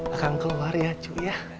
aku keluar ya cu ya